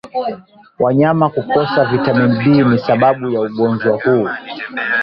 Wanyama kukosa vitamin B ni sababu ya ugonjwa huu